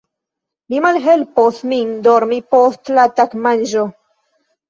Li malhelpos min dormi post la tagmanĝo.